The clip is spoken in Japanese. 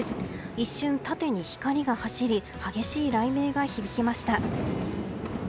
一瞬、縦に光が走り激しい雷鳴が響きました。